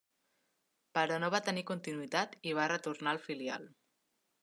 Però, no va tenir continuïtat i va retornar al filial.